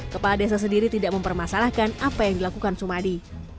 kepala desa sendiri tidak mempermasalahkan apa yang dilakukan sumadi